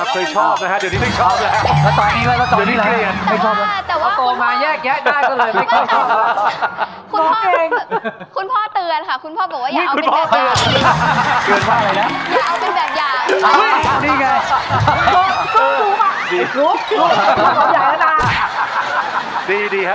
เคยชอบนะฮะเดี๋ยวนี้ฮะ